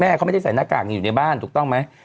เขาไม่ได้ใส่หน้ากากอยู่ในบ้านถูกต้องไหม